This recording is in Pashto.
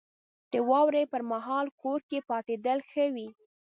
• د واورې پر مهال کور کې پاتېدل ښه وي.